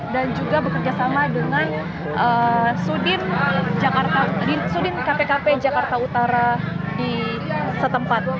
dan juga bekerjasama dengan sudin kpkp jakarta utara di setempat